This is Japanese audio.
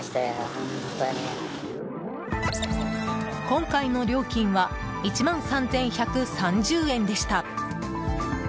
今回の料金は１万３１３０円でした。